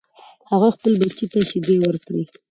هغې خپل بچی ته شیدې ورکړې